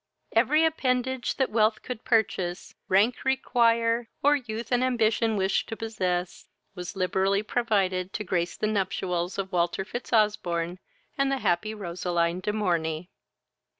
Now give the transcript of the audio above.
Every appendage, that wealth could purchase, rank require, or youth and ambition wish to possess, was liberally provided to grace the nuptials of Walter Fitzosbourne and the happy Roseline de Morney.